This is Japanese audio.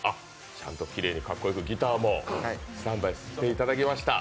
ちゃんときれいにかっこよくギターも、スタンバイしていただきました。